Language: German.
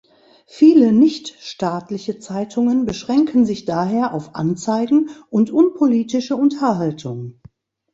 Viele nichtstaatliche Zeitungen beschränken sich daher auf Anzeigen und unpolitische Unterhaltung.